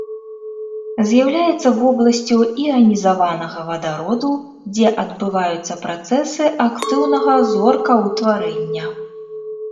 З'яўляецца вобласцю іанізаванага вадароду, дзе адбываюцца працэсы актыўнага зоркаўтварэння.